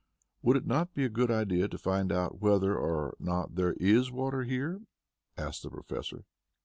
"Would it not be a good idea to find out whether or not there is water here?" asked the Professor.